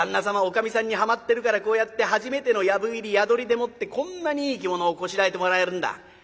様おかみさんにはまってるからこうやって初めての藪入り宿りでもってこんなにいい着物をこしらえてもらえるんだ。